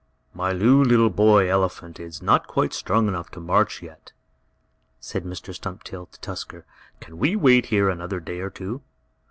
"My new little boy elephant is not quite strong enough to march, yet," said Mr. Stumptail to Tusker. "Can we wait here another day or two?"